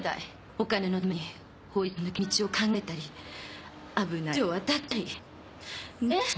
お金のために法律の抜け道を考えたり危ない橋を渡ったり。ねぇ？